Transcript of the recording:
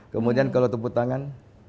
kemudian kalau tumpu tangan